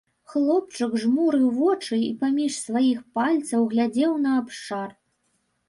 Хлопчык жмурыў вочы і паміж сваіх пальцаў глядзеў на абшар.